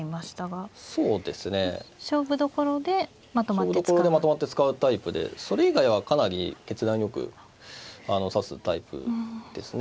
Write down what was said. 勝負どころでまとまって使うタイプでそれ以外はかなり決断よく指すタイプですね。